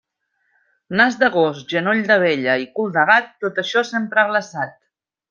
Nas de gos, genoll de vella i cul de gat, tot això sempre glaçat.